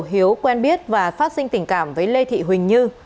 hiếu quen biết và phát sinh tình cảm với lê thị huỳnh như